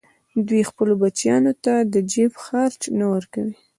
دوی خپلو بچیانو ته د جېب خرڅ نه ورکوي